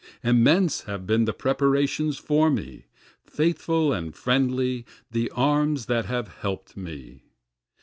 Immense have been the preparations for me, Faithful and friendly the arms that have help'd me.